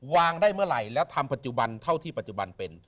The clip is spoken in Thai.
ได้เมื่อไหร่แล้วทำปัจจุบันเท่าที่ปัจจุบันเป็น